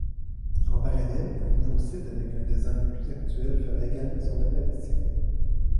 En parallèle un nouveau site avec un design plus actuel fera également son apparition.